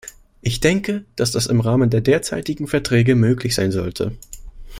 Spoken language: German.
Ich denke, dass das im Rahmen der derzeitigen Verträge möglich sein sollte.